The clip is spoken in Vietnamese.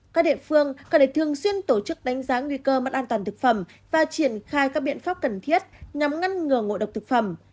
các địa phương cần thường xuyên tổ chức đánh giá nguy cơ mất an toàn thực phẩm và triển khai các biện pháp cần thiết nhằm ngăn ngừa ngộ độc thực phẩm